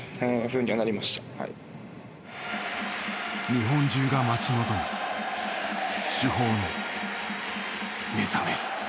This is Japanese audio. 日本中が待ち望む主砲の目覚め。